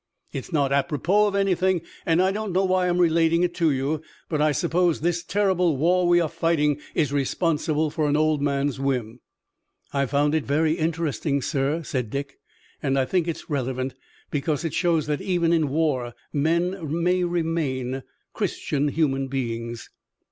It's not apropos of anything, and I don't know why I'm relating it to you, but I suppose this terrible war we are fighting is responsible for an old man's whim." "I've found it very interesting, sir," said Dick, "and I think it's relevant, because it shows that even in war men may remain Christian human beings."